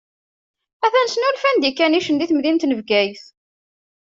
Atan snulfant-d ikanicen di temdint n Bgayet.